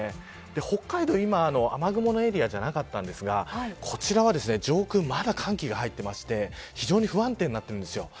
北海道は今、雨雲のエリアじゃなかったんですがこちらは、上空まだ寒気が入っていて非常に不安定になっているんです。